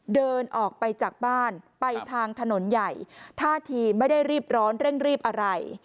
เดินออกไปจากบ้านไปทางถนนใหญ่ท่าทีไม่ได้รีบร้อนเร่งรีบอะไร